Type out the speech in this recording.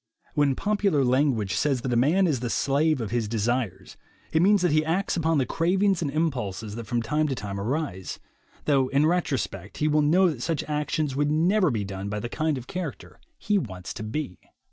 When popular language says that a man is the slave of his desires, it means that he acts upon the cravings and impulses 22 THE WAY TO WILL POWER that from time to time arise, though in retrospect he will know that such actions would never be done by the kind of character he wants to be.